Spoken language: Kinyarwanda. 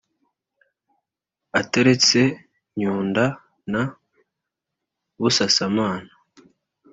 Ataretse Nyunda na Busasamana